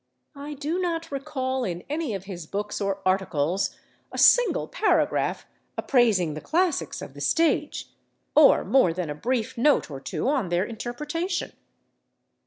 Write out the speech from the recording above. I do not recall, in any of his books or articles, a single paragraph appraising the classics of the stage, or more than a brief note or two on their interpretation.